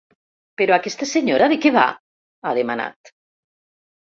Però aquesta senyora de què va?, ha demanat.